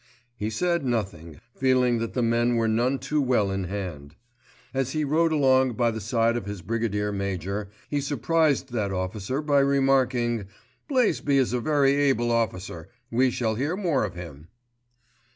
He said nothing, feeling that the men were none too well in hand. As he rode along by the side of his Brigade Major he surprised that officer by remarking "Blaisby is a very able officer,—we shall hear more of him."